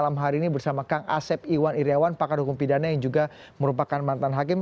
asep iwan iryawan pakar hukum pidana yang juga merupakan mantan hakim